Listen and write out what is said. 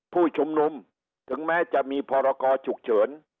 ผู้ชุมนุมถึงแม้จะมีพรกรฉุกเฉิน